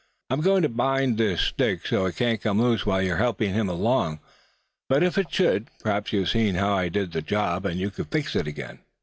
I'm going to bind this stick so it can't come loose while you're helping him along. But if it should, perhaps you've seen how I did the job, and you could fix it up again?"